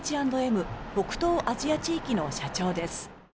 Ｈ＆Ｍ北東アジア地域の社長です。